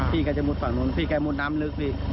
พี่กายจะมุดฝั่งนู้นพี่กายมุดน้ำลึก